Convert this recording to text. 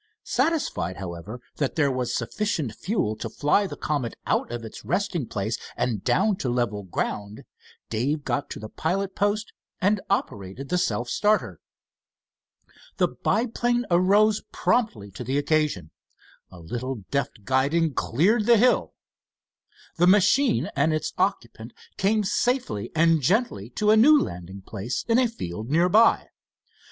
Satisfied, however, that there was sufficient fuel to fly the Comet out of its resting place and down to level ground, Dave got to the pilot post and operated the self starter. The biplane arose promptly to the occasion. A little deft guiding cleared the hill. The machine and its occupant came safely and gently to a new landing place in a field nearby.